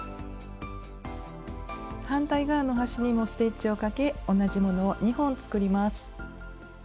反対側の端にもステッチをかけ同じものを２本作ります。